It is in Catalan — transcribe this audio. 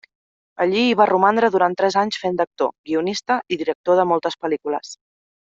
Allà hi va romandre durant tres anys fent d’actor, guionista i director de moltes pel·lícules.